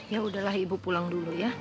ya udahlah ibu pulang dulu ya